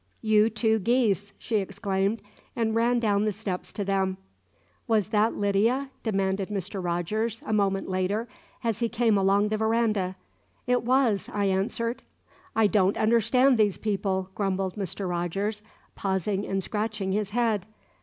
"You two geese!" she exclaimed, and ran down the steps to them. "Was that Lydia?" demanded Mr. Rogers, a moment later, as he came along the verandah. "It was," I answered. "I don't understand these people," grumbled Mr. Rogers, pausing and scratching his head.